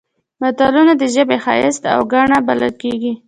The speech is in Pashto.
متلونه د ژبې ښایست او ګاڼه بلل کیږي